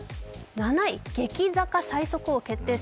７位、激坂最速王決定戦。